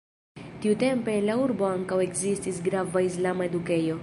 Tiutempe en la urbo ankaŭ ekzistis grava islama edukejo.